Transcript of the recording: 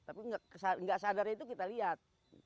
tapi nggak sadarnya itu kita lihat